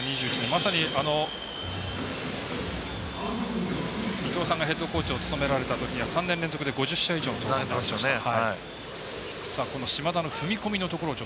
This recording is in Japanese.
まさに、伊東さんがヘッドコーチを務められたときは３年連続で５０試合以上に登板しましたよね。